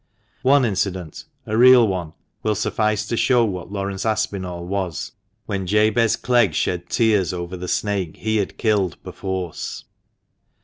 One incident — a real one — will suffice to show what Laurence Aspinall was, when Jabez Clegg shed tears over the snake he had killed perforce.